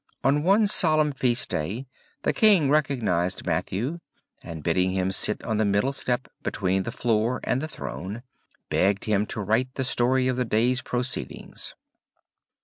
On one solemn feast day the King recognized Matthew, and bidding him sit on the middle step between the floor and the throne, begged him to write the story of the day's proceedings.